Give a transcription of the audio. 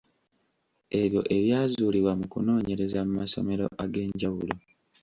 Ebyo ebyazuulibwa mu kunoonyereza mu masomero ag’enjawulo.